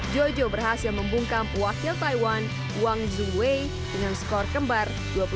jojo berhasil membungkam wakil taiwan wang zhu wei dengan skor kembar dua puluh satu lima belas dua puluh satu lima belas